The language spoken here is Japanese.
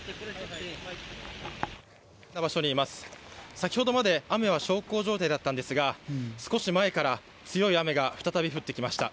先ほどまで雨は小康状態だったんですが、少し前から強い雨が再び降ってきました。